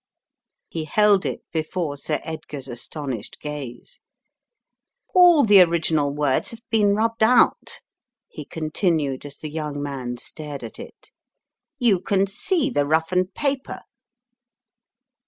He held it before Sir Edgar's astonished gaze. "All the original words have been rubbed out," he continued as the young man stared at it. "You can see the roughened paper."